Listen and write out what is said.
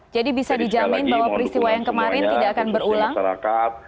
jadi bisa dijamin bahwa peristiwa yang kemarin tidak akan berulang